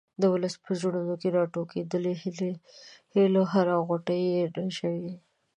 د ولس په زړونو کې راټوکېدونکې د هیلو هره غوټۍ رژوي.